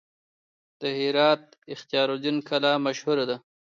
د هرات اختیار الدین کلا مشهوره ده